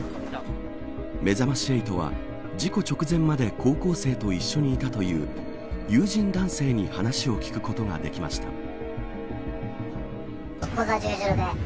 めざまし８は事故直前まで高校生と一緒にいたという友人男性に話を聞くことができました。